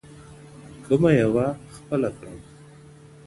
كومه يوه خپله كړم.